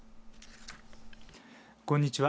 こんにちは。